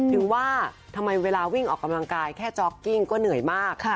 ถึงว่าทำไมเวลาวิ่งออกกำลังกายแค่จ๊อกกิ้งก็เหนื่อยมาก